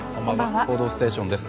「報道ステーション」です。